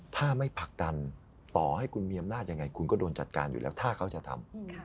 ถ้าไม่ผลักดันต่อให้คุณมีอำนาจยังไงคุณก็โดนจัดการอยู่แล้วถ้าเขาจะทำ